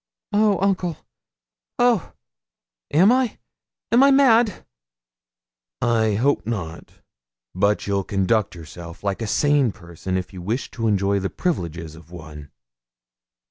'Oh, uncle oh! am I? Am I mad?' 'I hope not; but you'll conduct yourself like a sane person if you wish to enjoy the privileges of one.'